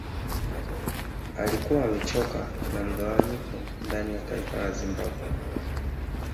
Alikuwa amechoka na mgawanyiko ndani ya taifa la Zimbabwe